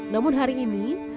namun hari ini